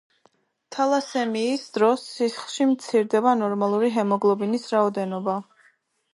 თალასემიის დროს სისხლში მცირდება ნორმალური ჰემოგლობინის რაოდენობა.